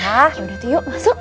yaudah tuh yuk masuk